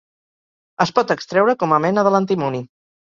Es pot extreure com a mena de l'antimoni.